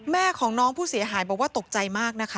แม่ของน้องผู้เสียหายบอกว่าตกใจมากนะคะ